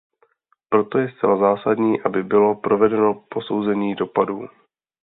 Proto je zcela zásadní, aby bylo provedeno posouzení dopadů.